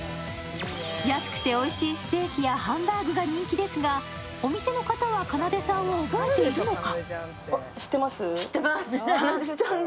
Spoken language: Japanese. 安くておいしいステーキやハンバーグが人気ですがお店の方は、かなでさんを覚えているのか？